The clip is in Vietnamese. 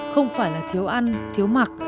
không phải là thiếu ăn thiếu mặt